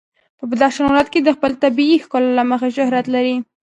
بدخشان ولایت د خپل طبیعي ښکلا له مخې شهرت لري.